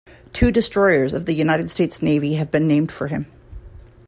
Two destroyers of the United States Navy have been named for him.